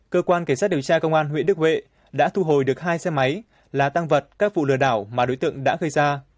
cơ quan cảnh sát điều tra công an huyện đức huệ đã thu hồi được hai xe máy là tăng vật các vụ lừa đảo mà đối tượng đã gây ra